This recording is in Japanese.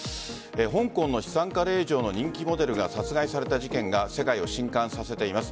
香港の資産家令嬢の人気モデルが殺害された事件が世界を震撼させています。